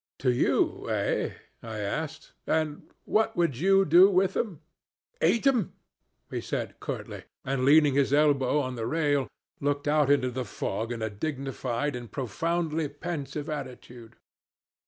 'To you, eh?' I asked; 'what would you do with them?' 'Eat 'im!' he said curtly, and, leaning his elbow on the rail, looked out into the fog in a dignified and profoundly pensive attitude.